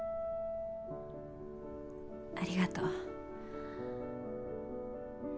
ありがとう。